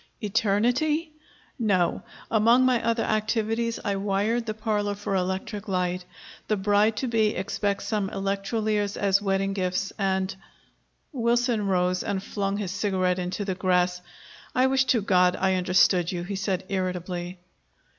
"Eternity?" "No. Among my other activities, I wired the parlor for electric light. The bride to be expects some electroliers as wedding gifts, and " Wilson rose and flung his cigarette into the grass. "I wish to God I understood you!" he said irritably.